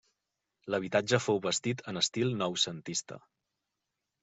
L'habitatge fou bastit en estil noucentista.